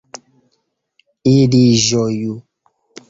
Ili ĝoju!